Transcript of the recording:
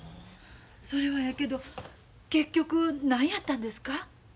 それはええけど結局何やったんですか？